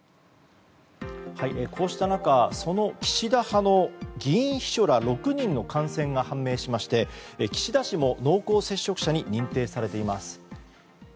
こうした中その岸田派の議員秘書ら６人の感染が判明しまして岸田氏も濃厚接触者に認定されています。